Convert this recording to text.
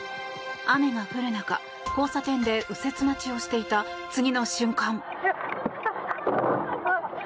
雨が降る中交差点で右折待ちをしていた次の瞬間。